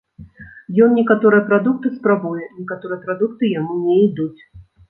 Ён некаторыя прадукты спрабуе, некаторыя прадукты яму не ідуць.